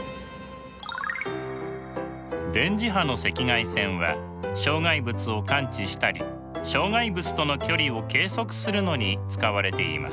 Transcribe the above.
電磁波の赤外線は障害物を感知したり障害物との距離を計測するのに使われています。